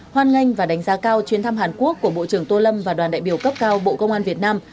hoan nghênh và đánh giá cao chuyến thăm hàn quốc của bộ trưởng tô lâm và đoàn đại biểu cấp cao bộ công an việt nam